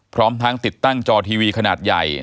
พร้อมทั้งติดตั้งจอทีวีขนาดใหญ่